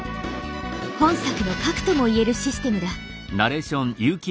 本作の核とも言えるシステムだ。